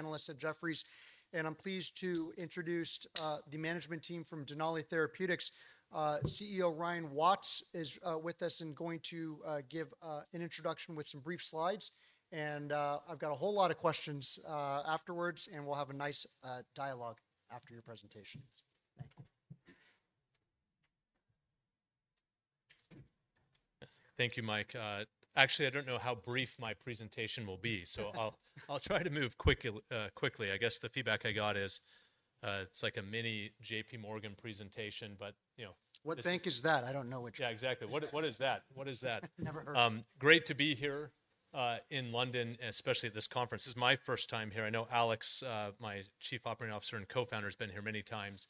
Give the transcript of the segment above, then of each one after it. Analyst at Jefferies, and I'm pleased to introduce the management team from Denali Therapeutics. CEO Ryan Watts is with us and going to give an introduction with some brief slides, and I've got a whole lot of questions afterwards, and we'll have a nice dialogue after your presentations. Thank you. Thank you, Mike. Actually, I don't know how brief my presentation will be, so I'll try to move quickly. I guess the feedback I got is it's like a mini JPMorgan presentation, but you know. What bank is that? I don't know what you're talking about. Yeah, exactly. What is that? What is that? Never heard. Great to be here in London, especially at this conference. This is my first time here. I know Alex, my Chief Operating Officer and co-founder, has been here many times,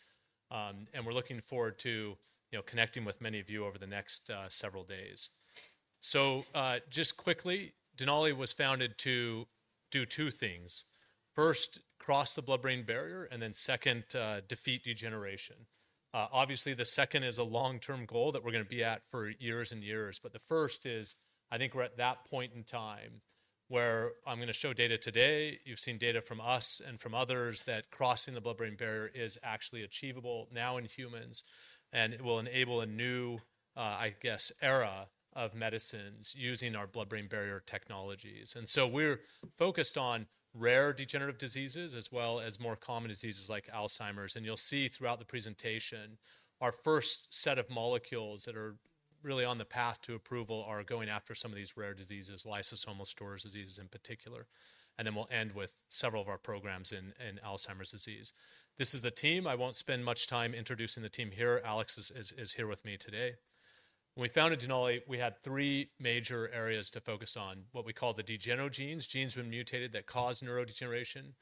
and we're looking forward to connecting with many of you over the next several days. So just quickly, Denali was founded to do two things. First, cross the blood-brain barrier, and then second, defeat degeneration. Obviously, the second is a long-term goal that we're going to be at for years and years, but the first is, I think we're at that point in time where I'm going to show data today. You've seen data from us and from others that crossing the blood-brain barrier is actually achievable now in humans, and it will enable a new, I guess, era of medicines using our blood-brain barrier technologies. We're focused on rare degenerative diseases as well as more common diseases like Alzheimer's. You'll see throughout the presentation, our first set of molecules that are really on the path to approval are going after some of these rare diseases, lysosomal storage diseases in particular, and then we'll end with several of our programs in Alzheimer's disease. This is the team. I won't spend much time introducing the team here. Alex is here with me today. When we founded Denali, we had three major areas to focus on: what we call the degenerogenes, genes when mutated that cause neurodegeneration,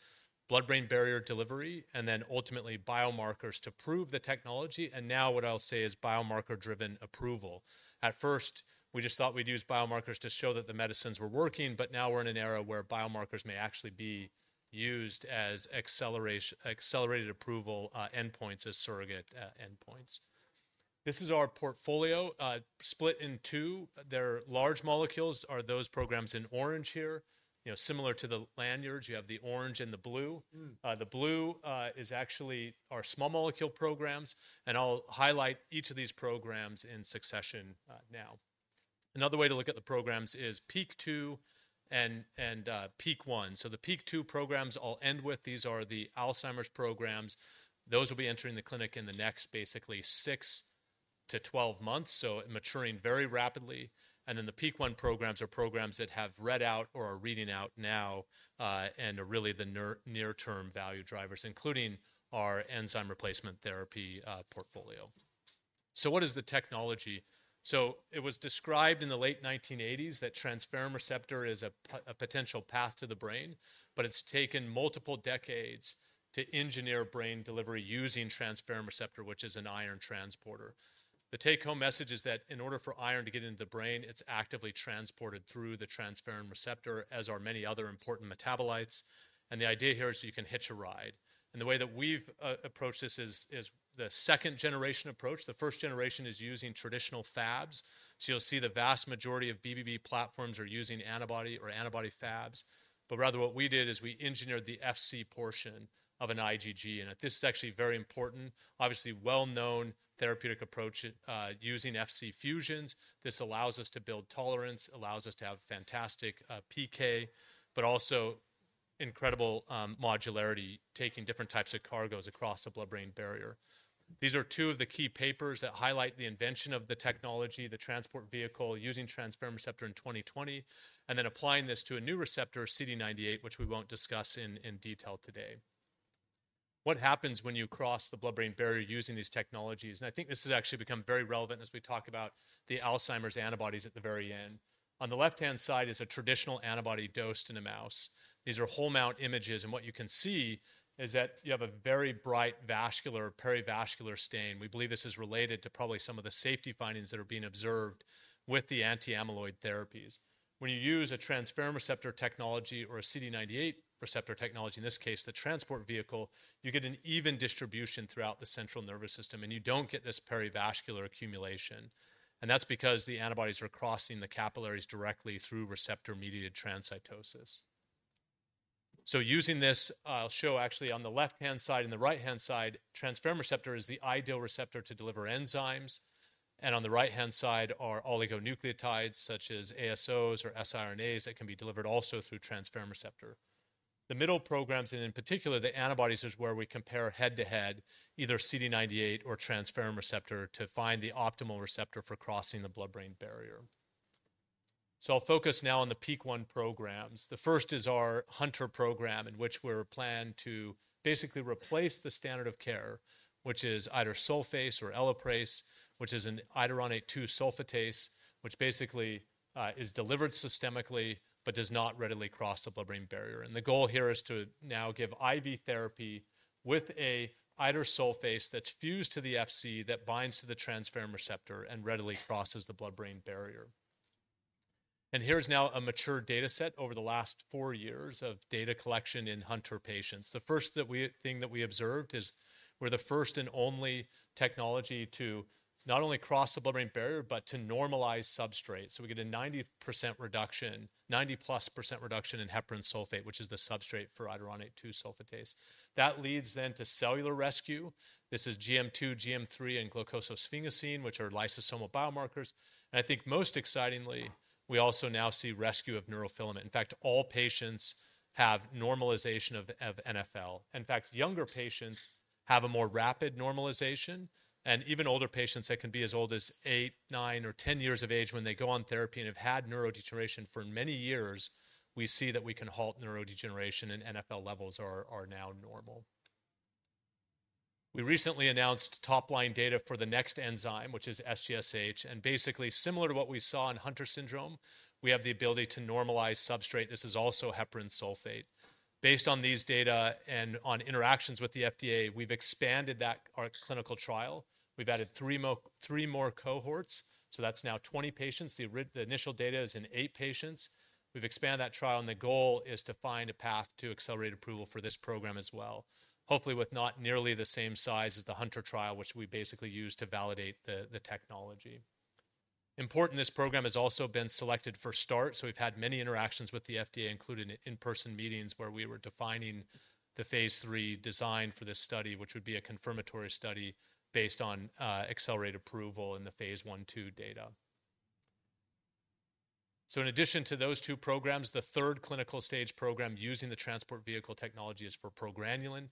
blood-brain barrier delivery, and then ultimately biomarkers to prove the technology. Now what I'll say is biomarker-driven approval. At first, we just thought we'd use biomarkers to show that the medicines were working, but now we're in an era where biomarkers may actually be used as accelerated approval endpoints as surrogate endpoints. This is our portfolio split in two. There are large molecules. Those are the programs in orange here. Similar to the lanyards, you have the orange and the blue. The blue is actually our small molecule programs, and I'll highlight each of these programs in succession now. Another way to look at the programs is PEEK2 and PEEK1. So the PEEK2 programs I'll end with, these are the Alzheimer's programs. Those will be entering the clinic in the next basically six to 12 months, so maturing very rapidly, and then the PEEK1 programs are programs that have read out or are reading out now and are really the near-term value drivers, including our enzyme replacement therapy portfolio. So what is the technology? So it was described in the late 1980s that transferrin receptor is a potential path to the brain, but it's taken multiple decades to engineer brain delivery using transferrin receptor, which is an iron transporter. The take-home message is that in order for iron to get into the brain, it's actively transported through the transferrin receptor, as are many other important metabolites and the idea here is you can hitch a ride and the way that we've approached this is the second-generation approach. The first generation is using traditional Fabs. So you'll see the vast majority of BBB platforms are using antibody or antibody Fabs. But rather what we did is we engineered the Fc portion of an IgG. And this is actually very important, obviously well-known therapeutic approach using Fc fusions. This allows us to build tolerance, allows us to have fantastic PK, but also incredible modularity, taking different types of cargoes across the blood-brain barrier. These are two of the key papers that highlight the invention of the technology, the transport vehicle using transferrin receptor in 2020, and then applying this to a new receptor, CD98, which we won't discuss in detail today. What happens when you cross the blood-brain barrier using these technologies? And I think this has actually become very relevant as we talk about the Alzheimer's antibodies at the very end. On the left-hand side is a traditional antibody dosed in a mouse. These are whole mount images, and what you can see is that you have a very bright vascular, perivascular stain. We believe this is related to probably some of the safety findings that are being observed with the anti-amyloid therapies. When you use a transferrin receptor technology or a CD98 receptor technology, in this case, the transport vehicle, you get an even distribution throughout the central nervous system, and you don't get this perivascular accumulation. And that's because the antibodies are crossing the capillaries directly through receptor-mediated transcytosis. So using this, I'll show actually on the left-hand side and the right-hand side, transferrin receptor is the ideal receptor to deliver enzymes, and on the right-hand side are oligonucleotides such as ASOs or siRNAs that can be delivered also through transferrin receptor. The middle programs, and in particular the antibodies, is where we compare head-to-head either CD98 or transferrin receptor to find the optimal receptor for crossing the blood-brain barrier. So I'll focus now on the PEEK1 programs. The first is our Hunter program, in which we're planned to basically replace the standard of care, which is idursulfase or Elaprase, which is an iduronate-2-sulfatase, which basically is delivered systemically but does not readily cross the blood-brain barrier. The goal here is to now give IV therapy with an idursulfase that's fused to the Fc that binds to the transferrin receptor and readily crosses the blood-brain barrier. Here's now a mature data set over the last four years of data collection in Hunter patients. The first thing that we observed is we're the first and only technology to not only cross the blood-brain barrier, but to normalize substrate. So we get a 90% reduction, 90+ percent reduction in heparan sulfate, which is the substrate for iduronate-2-sulfatase. That leads then to cellular rescue. This is GM2, GM3, and glucosylsphingosine, which are lysosomal biomarkers, and I think most excitingly, we also now see rescue of neurofilament. In fact, all patients have normalization of NfL. In fact, younger patients have a more rapid normalization, and even older patients that can be as old as eight, nine, or 10 years of age when they go on therapy and have had neurodegeneration for many years, we see that we can halt neurodegeneration and NfL levels are now normal. We recently announced top-line data for the next enzyme, which is SGSH, and basically similar to what we saw in Hunter syndrome, we have the ability to normalize substrate. This is also heparan sulfate. Based on these data and on interactions with the FDA, we've expanded our clinical trial. We've added three more cohorts, so that's now 20 patients. The initial data is in eight patients. We've expanded that trial, and the goal is to find a path to accelerated approval for this program as well, hopefully with not nearly the same size as the Hunter trial, which we basically use to validate the technology. Important, this program has also been selected for START, so we've had many interactions with the FDA, including in-person meetings where we were defining the phase III design for this study, which would be a confirmatory study based on accelerated approval in the phase I/II data. So in addition to those two programs, the third clinical stage program using the transport vehicle technology is for progranulin.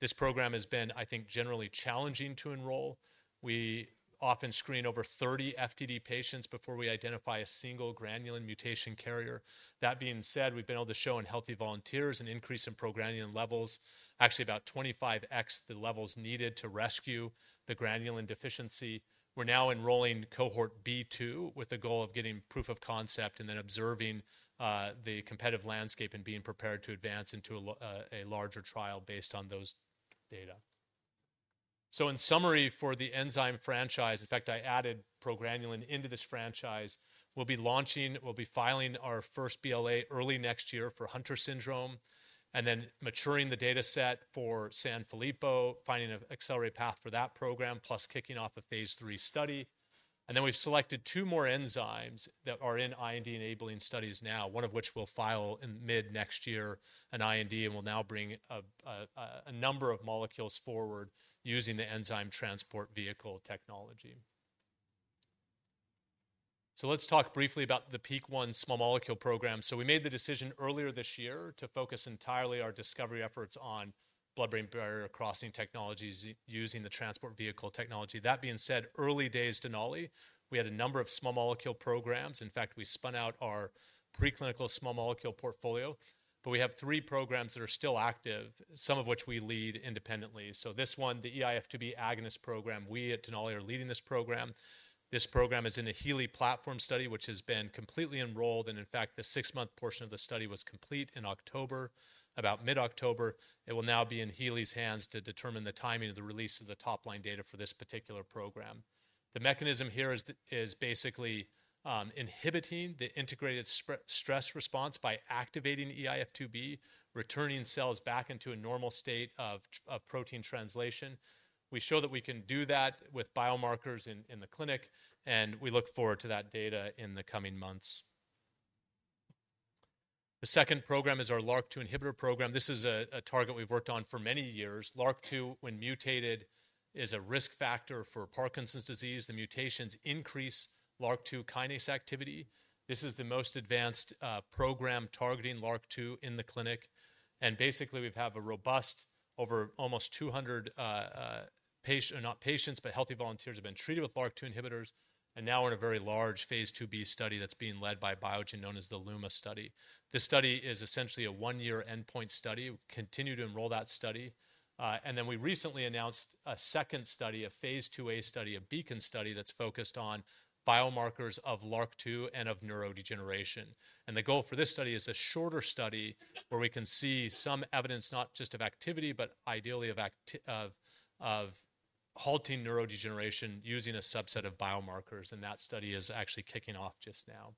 This program has been, I think, generally challenging to enroll. We often screen over 30 FTD patients before we identify a single progranulin mutation carrier. That being said, we've been able to show in healthy volunteers an increase in progranulin levels, actually about 25x the levels needed to rescue the granulin deficiency. We're now enrolling cohort B2 with the goal of getting proof of concept and then observing the competitive landscape and being prepared to advance into a larger trial based on those data, so in summary for the enzyme franchise, in fact, I added progranulin into this franchise. We'll be launching, we'll be filing our first BLA early next year for Hunter syndrome, and then maturing the data set for Sanfilippo, finding an accelerated path for that program, plus kicking off a phase III study. And then we've selected two more enzymes that are in IND-enabling studies now, one of which we'll file in mid next year, an IND, and we'll now bring a number of molecules forward using the enzyme transport vehicle technology. So let's talk briefly about the PEEK1 small molecule program. So we made the decision earlier this year to focus entirely our discovery efforts on blood-brain barrier crossing technologies using the transport vehicle technology. That being said, early days Denali, we had a number of small molecule programs. In fact, we spun out our preclinical small molecule portfolio, but we have three programs that are still active, some of which we lead independently. So this one, the eIF2B agonist program, we at Denali are leading this program. This program is in a HEALEY platform study, which has been completely enrolled, and in fact, the six-month portion of the study was complete in October, about mid-October. It will now be in HEALEY's hands to determine the timing of the release of the top-line data for this particular program. The mechanism here is basically inhibiting the integrated stress response by activating eIF2B, returning cells back into a normal state of protein translation. We show that we can do that with biomarkers in the clinic, and we look forward to that data in the coming months. The second program is our LRRK2 inhibitor program. This is a target we've worked on for many years. LRRK2, when mutated, is a risk factor for Parkinson's disease. The mutations increase LRRK2 kinase activity. This is the most advanced program targeting LRRK2 in the clinic. Basically, we have a robust, over almost 200 patients, not patients, but healthy volunteers have been treated with LRRK2 inhibitors, and now we're in a very large phase II-B study that's being led by Biogen known as the LUMA study. This study is essentially a one-year endpoint study. We continue to enroll that study. Then we recently announced a second study, a phase II-A study, a BEACON study that's focused on biomarkers of LRRK2 and of neurodegeneration. The goal for this study is a shorter study where we can see some evidence, not just of activity, but ideally of halting neurodegeneration using a subset of biomarkers, and that study is actually kicking off just now.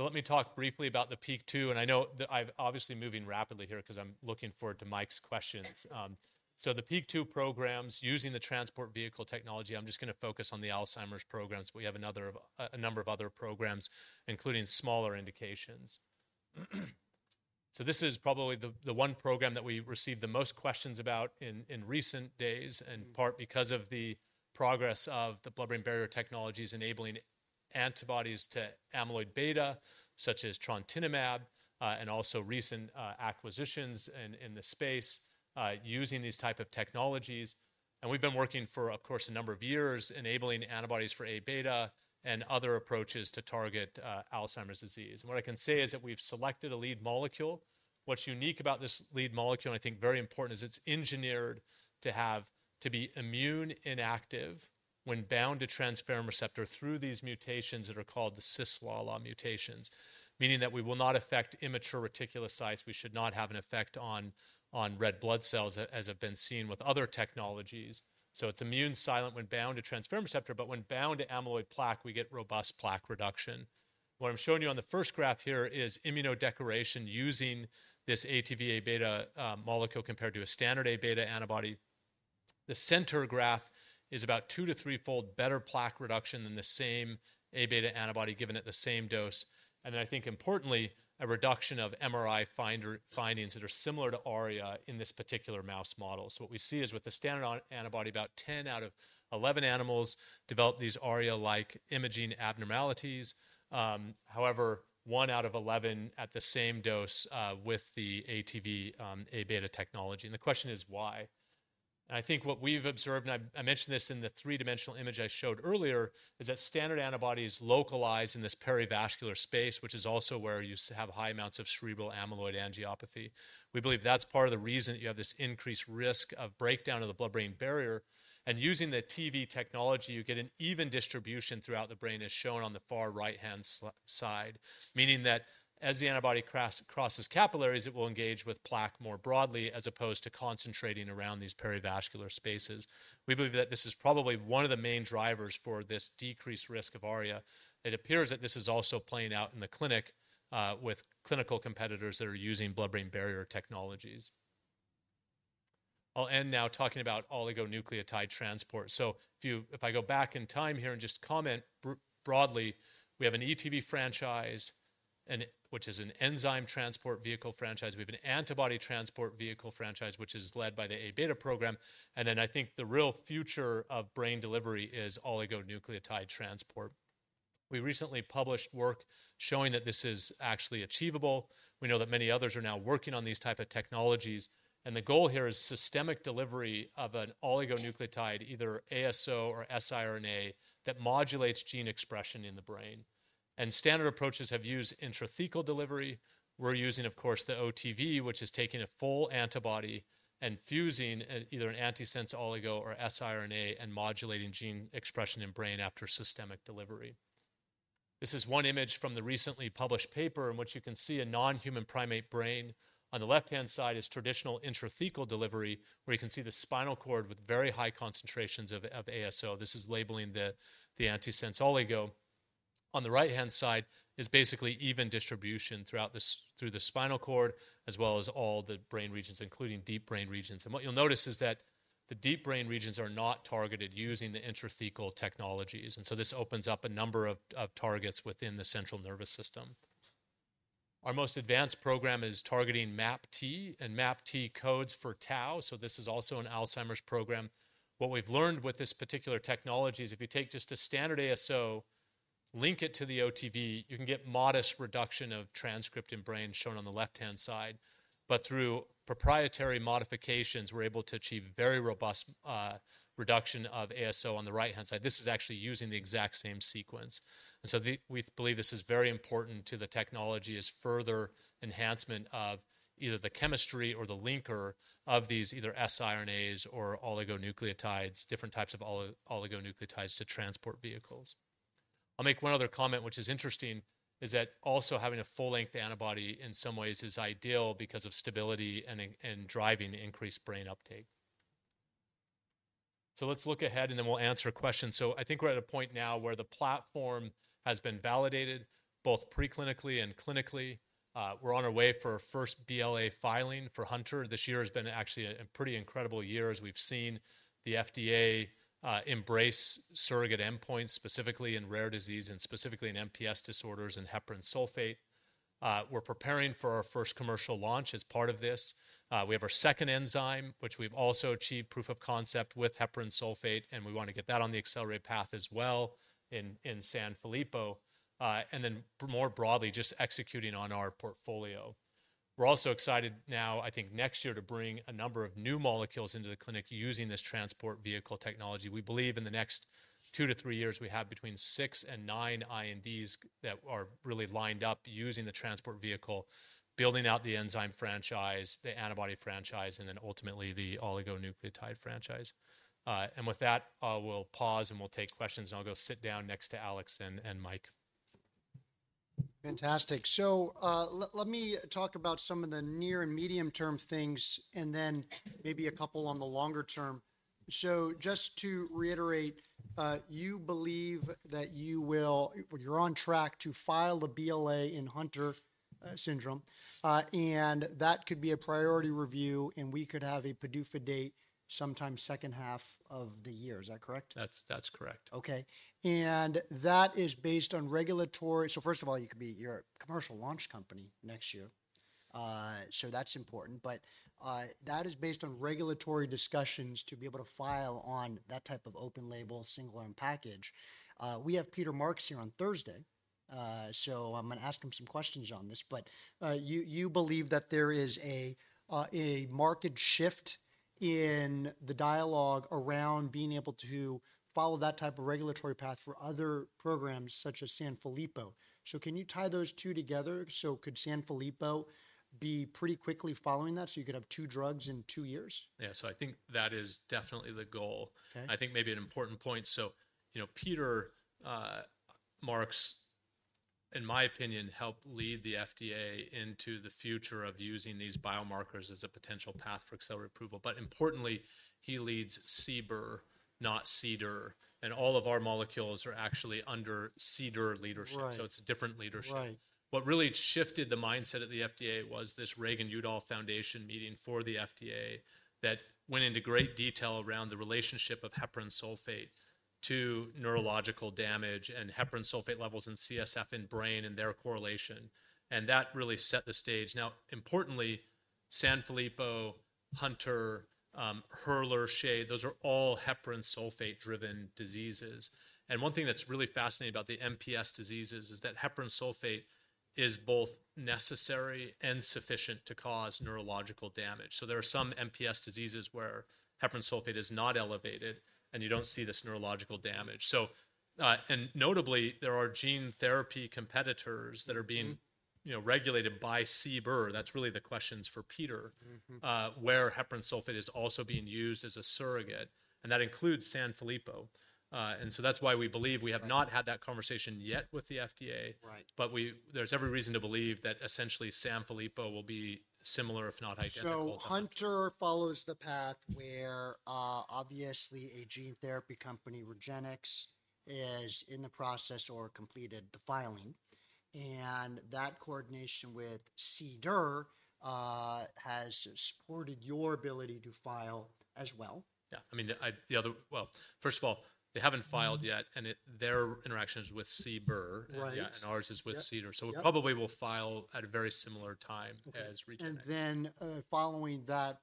Let me talk briefly about the PEEK2, and I know that I'm obviously moving rapidly here because I'm looking forward to Mike's questions. So the PEEK2 programs using the transport vehicle technology, I'm just going to focus on the Alzheimer's programs, but we have a number of other programs, including smaller indications. So this is probably the one program that we received the most questions about in recent days, in part because of the progress of the blood-brain barrier technologies enabling antibodies to amyloid beta, such as trontinemab, and also recent acquisitions in the space using these types of technologies. And we've been working for, of course, a number of years enabling antibodies for Aβ and other approaches to target Alzheimer's disease. And what I can say is that we've selected a lead molecule. What's unique about this lead molecule, and I think very important, is it's engineered to be immune inactive when bound to transferrin receptor through these mutations that are called the cisLALA mutations, meaning that we will not affect immature reticulocytes. We should not have an effect on red blood cells, as have been seen with other technologies. So it's immune silent when bound to transferrin receptor, but when bound to amyloid plaque, we get robust plaque reduction. What I'm showing you on the first graph here is immunodecoration using this ATV:Aβ molecule compared to a standard Aβ antibody. The center graph is about two- to three-fold better plaque reduction than the same Aβ antibody given at the same dose. And then I think importantly, a reduction of MRI findings that are similar to ARIA in this particular mouse model. So what we see is with the standard antibody, about 10 out of 11 animals develop these ARIA-like imaging abnormalities. However, one out of 11 at the same dose with the ATV:Aβ technology. And the question is why? And I think what we've observed, and I mentioned this in the three-dimensional image I showed earlier, is that standard antibodies localize in this perivascular space, which is also where you have high amounts of cerebral amyloid angiopathy. We believe that's part of the reason you have this increased risk of breakdown of the blood-brain barrier. And using the TV technology, you get an even distribution throughout the brain, as shown on the far right-hand side, meaning that as the antibody crosses capillaries, it will engage with plaque more broadly as opposed to concentrating around these perivascular spaces. We believe that this is probably one of the main drivers for this decreased risk of ARIA. It appears that this is also playing out in the clinic with clinical competitors that are using blood-brain barrier technologies. I'll end now talking about oligonucleotide transport. So if I go back in time here and just comment broadly, we have an ETV franchise, which is an enzyme transport vehicle franchise. We have an antibody transport vehicle franchise, which is led by the Aβ program. And then I think the real future of brain delivery is oligonucleotide transport. We recently published work showing that this is actually achievable. We know that many others are now working on these types of technologies, and the goal here is systemic delivery of an oligonucleotide, either ASO or siRNA, that modulates gene expression in the brain. And standard approaches have used intrathecal delivery. We're using, of course, the OTV, which is taking a full antibody and fusing either an antisense oligo or siRNA and modulating gene expression in brain after systemic delivery. This is one image from the recently published paper in which you can see a non-human primate brain. On the left-hand side is traditional intrathecal delivery, where you can see the spinal cord with very high concentrations of ASO. This is labeling the antisense oligo. On the right-hand side is basically even distribution throughout the spinal cord, as well as all the brain regions, including deep brain regions. And what you'll notice is that the deep brain regions are not targeted using the intrathecal technologies, and so this opens up a number of targets within the central nervous system. Our most advanced program is targeting MAPT and MAPT codes for tau. So this is also an Alzheimer's program. What we've learned with this particular technology is, if you take just a standard ASO, link it to the OTV, you can get modest reduction of transcript in brain shown on the left-hand side. But through proprietary modifications, we're able to achieve very robust reduction of ASO on the right-hand side. This is actually using the exact same sequence, and so we believe this is very important to the technology as further enhancement of either the chemistry or the linker of these either siRNAs or oligonucleotides, different types of oligonucleotides to transport vehicles. I'll make one other comment, which is interesting, is that also having a full-length antibody in some ways is ideal because of stability and driving increased brain uptake. So let's look ahead, and then we'll answer a question. I think we're at a point now where the platform has been validated both preclinically and clinically. We're on our way for our first BLA filing for Hunter. This year has been actually a pretty incredible year as we've seen the FDA embrace surrogate endpoints, specifically in rare disease and specifically in MPS disorders and heparan sulfate. We're preparing for our first commercial launch as part of this. We have our second enzyme, which we've also achieved proof of concept with heparan sulfate, and we want to get that on the accelerated path as well in Sanfilippo. And then more broadly, just executing on our portfolio. We're also excited now, I think next year, to bring a number of new molecules into the clinic using this transport vehicle technology. We believe in the next two to three years, we have between six and nine INDs that are really lined up using the transport vehicle, building out the enzyme franchise, the antibody franchise, and then ultimately the oligonucleotide franchise. And with that, I will pause and we'll take questions, and I'll go sit down next to Alex and Mike. Fantastic. So let me talk about some of the near and medium-term things and then maybe a couple on the longer term. So just to reiterate, you believe that you will, you're on track to file the BLA in Hunter syndrome, and that could be a priority review, and we could have a PDUFA date sometime second half of the year. Is that correct? That's correct. Okay. And that is based on regulatory. So first of all, you could be your commercial launch company next year. So that's important, but that is based on regulatory discussions to be able to file on that type of open label, single-arm package. We have Peter Marks here on Thursday, so I'm going to ask him some questions on this. But you believe that there is a market shift in the dialogue around being able to follow that type of regulatory path for other programs such as Sanfilippo. So can you tie those two together? So could Sanfilippo be pretty quickly following that so you could have two drugs in two years? Yeah. So I think that is definitely the goal. I think maybe an important point. So Peter Marks, in my opinion, helped lead the FDA into the future of using these biomarkers as a potential path for accelerated approval. But importantly, he leads CBER, not CDER, and all of our molecules are actually under CDER leadership. So it's a different leadership. What really shifted the mindset at the FDA was this Reagan-Udall Foundation for the FDA meeting that went into great detail around the relationship of heparan sulfate to neurological damage and heparan sulfate levels and CSF in brain and their correlation. And that really set the stage. Now, importantly, Sanfilippo, Hunter, Hurler, Scheie, those are all heparan sulfate-driven diseases. And one thing that's really fascinating about the MPS diseases is that heparan sulfate is both necessary and sufficient to cause neurological damage. So there are some MPS diseases where heparan sulfate is not elevated and you don't see this neurological damage. And notably, there are gene therapy competitors that are being regulated by CBER. That's really the questions for Peter, where heparan sulfate is also being used as a surrogate, and that includes Sanfilippo. And so that's why we believe we have not had that conversation yet with the FDA, but there's every reason to believe that essentially Sanfilippo will be similar, if not identical. So Hunter follows the path where obviously a gene therapy company, REGENXBIO, is in the process or completed the filing. And that coordination with CDER has supported your ability to file as well. Yeah. I mean, the other, well, first of all, they haven't filed yet, and their interaction is with CBER, and ours is with CDER. So we probably will file at a very similar time as REGENXBIO. And then following that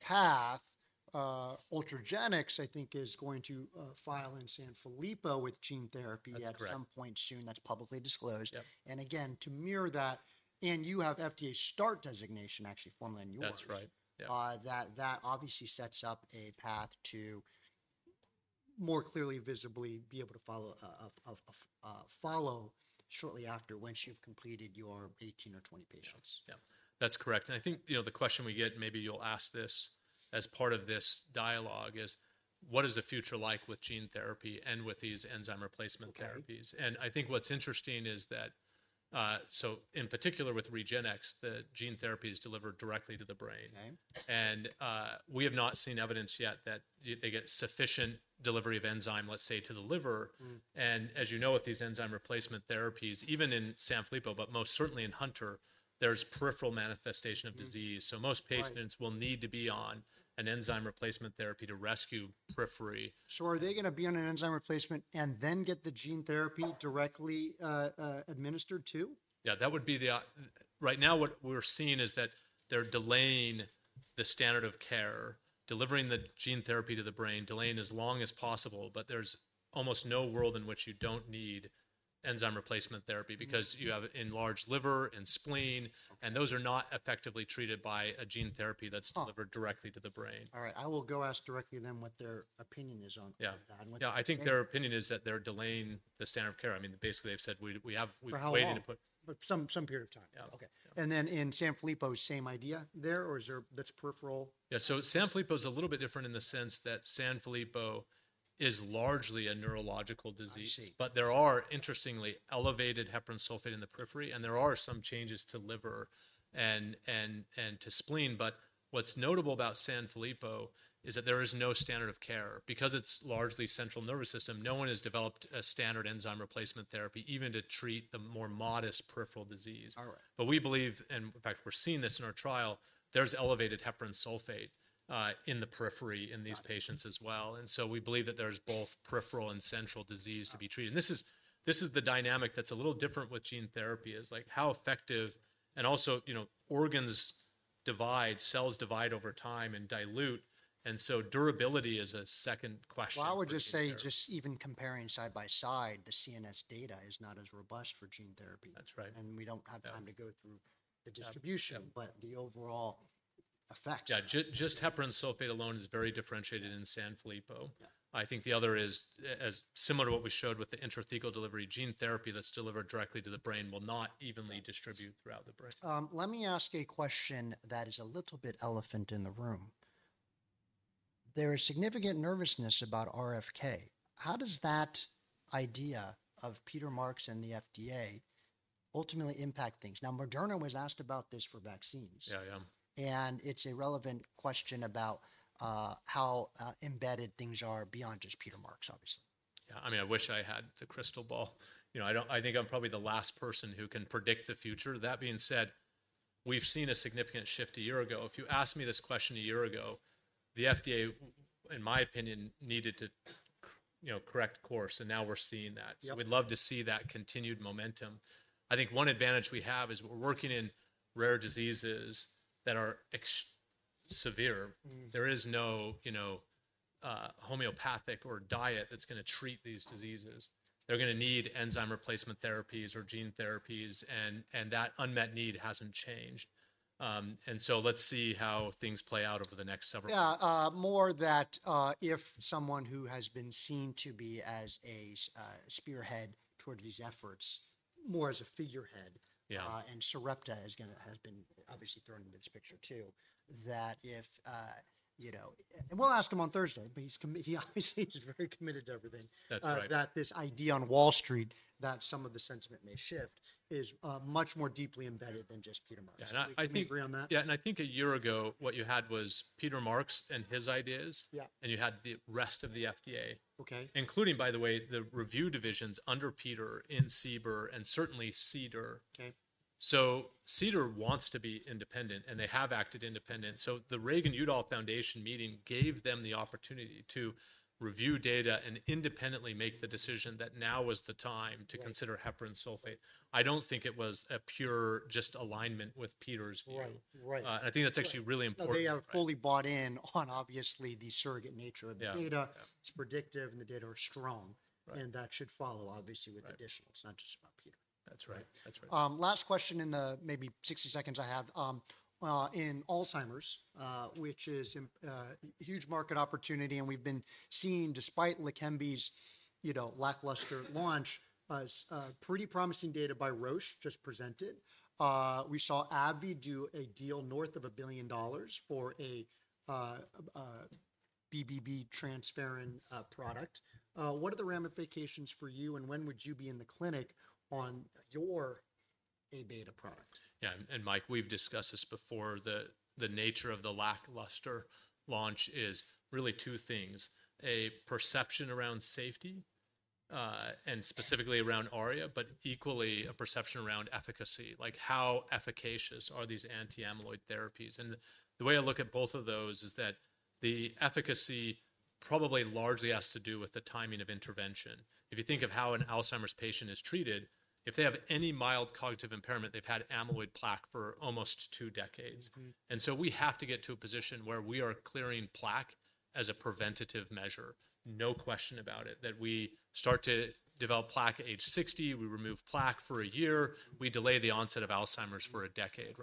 path, Ultragenyx, I think, is going to file in Sanfilippo with gene therapy at some point soon. That's publicly disclosed. And again, to mirror that, and you have FDA START designation actually formally in your work. That's right. That obviously sets up a path to more clearly, visibly be able to follow shortly after once you've completed your 18 or 20 patients. Yeah. That's correct. And I think the question we get, and maybe you'll ask this as part of this dialogue, is what is the future like with gene therapy and with these enzyme replacement therapies? And I think what's interesting is that, so in particular with REGENXBIO, the gene therapy is delivered directly to the brain. And we have not seen evidence yet that they get sufficient delivery of enzyme, let's say, to the liver. And as you know, with these enzyme replacement therapies, even in Sanfilippo, but most certainly in Hunter, there's peripheral manifestation of disease. So most patients will need to be on an enzyme replacement therapy to rescue periphery. So are they going to be on an enzyme replacement and then get the gene therapy directly administered too? Yeah. That would be the right now what we're seeing is that they're delaying the standard of care, delivering the gene therapy to the brain, delaying as long as possible. But there's almost no world in which you don't need enzyme replacement therapy because you have enlarged liver and spleen, and those are not effectively treated by a gene therapy that's delivered directly to the brain. All right. I will go ask directly then what their opinion is on that. Yeah. I think their opinion is that they're delaying the standard of care. I mean, basically they've said we've been waiting to put some period of time. Okay. And then in Sanfilippo, same idea there, or is there that's peripheral? Yeah. So Sanfilippo is a little bit different in the sense that Sanfilippo is largely a neurological disease, but there are interestingly elevated heparan sulfate in the periphery, and there are some changes to liver and to spleen. But what's notable about Sanfilippo is that there is no standard of care because it's largely central nervous system. No one has developed a standard enzyme replacement therapy even to treat the more modest peripheral disease. But we believe, and in fact, we're seeing this in our trial, there's elevated heparan sulfate in the periphery in these patients as well. And so we believe that there's both peripheral and central disease to be treated. And this is the dynamic that's a little different with gene therapy is like how effective, and also organs divide, cells divide over time and dilute. And so durability is a second question. Well, I would just say just even comparing side by side, the CNS data is not as robust for gene therapy. That's right. And we don't have time to go through the distribution, but the overall effect. Yeah. Just heparan sulfate alone is very differentiated in Sanfilippo. I think the other is, as similar to what we showed with the intrathecal delivery gene therapy that's delivered directly to the brain, will not evenly distribute throughout the brain. Let me ask a question that is a little bit the elephant in the room. There is significant nervousness about RFK. How does that idea of Peter Marks and the FDA ultimately impact things? Now, Moderna was asked about this for vaccines. Yeah, yeah. And it's a relevant question about how embedded things are beyond just Peter Marks, obviously. Yeah. I mean, I wish I had the crystal ball. I think I'm probably the last person who can predict the future. That being said, we've seen a significant shift a year ago. If you asked me this question a year ago, the FDA, in my opinion, needed to correct course, and now we're seeing that. So we'd love to see that continued momentum. I think one advantage we have is we're working in rare diseases that are severe. There is no homeopathic or diet that's going to treat these diseases. They're going to need enzyme replacement therapies or gene therapies, and that unmet need hasn't changed. And so let's see how things play out over the next several. Yeah. More that if someone who has been seen to be a spearhead towards these efforts, more as a figurehead, and Sarepta has been obviously thrown into this picture too, that if we'll ask him on Thursday, but he obviously is very committed to everything. That's right. That this idea on Wall Street that some of the sentiment may shift is much more deeply embedded than just Peter Marks. Yeah. I think a year ago, what you had was Peter Marks and his ideas, and you had the rest of the FDA, including, by the way, the review divisions under Peter in CBER and certainly CDER. CDER wants to be independent, and they have acted independent. The Reagan-Udall Foundation meeting gave them the opportunity to review data and independently make the decision that now was the time to consider heparan sulfate. I don't think it was a pure just alignment with Peter's view, and I think that's actually really important. But they are fully bought in on obviously the surrogate nature of the data. It's predictive and the data are strong, and that should follow obviously with additional. It's not just about Peter. That's right. That's right. Last question in the maybe 60 seconds I have in Alzheimer's, which is a huge market opportunity, and we've been seeing despite Leqembi's lackluster launch, pretty promising data by Roche just presented. We saw AbbVie do a deal north of $1 billion for a BBB transparent product. What are the ramifications for you, and when would you be in the clinic on your Aβ product? Yeah, and Mike, we've discussed this before. The nature of the lackluster launch is really two things: a perception around safety and specifically around ARIA, but equally a perception around efficacy. How efficacious are these anti-amyloid therapies? And the way I look at both of those is that the efficacy probably largely has to do with the timing of intervention. If you think of how an Alzheimer's patient is treated, if they have any mild cognitive impairment, they've had amyloid plaque for almost two decades and so we have to get to a position where we are clearing plaque as a preventative measure, no question about it, that we start to develop plaque at age 60, we remove plaque for a year, we delay the onset of Alzheimer's for a decade.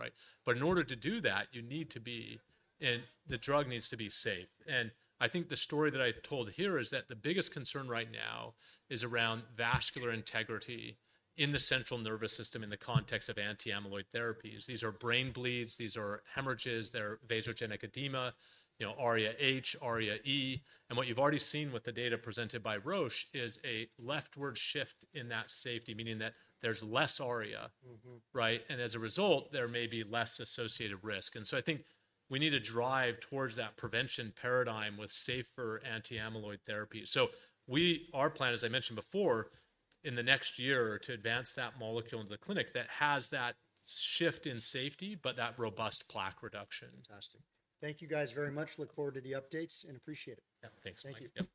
But in order to do that, you need to be, and the drug needs to be safe. I think the story that I told here is that the biggest concern right now is around vascular integrity in the central nervous system in the context of anti-amyloid therapies. These are brain bleeds, these are hemorrhages, they're vasogenic edema, ARIA-H, ARIA-E. What you've already seen with the data presented by Roche is a leftward shift in that safety, meaning that there's less ARIA, and as a result, there may be less associated risk. I think we need to drive towards that prevention paradigm with safer anti-amyloid therapy. Our plan, as I mentioned before, in the next year to advance that molecule into the clinic that has that shift in safety, but that robust plaque reduction. Fantastic. Thank you guys very much. Look forward to the updates and appreciate it. Yeah. Thanks. Thank you.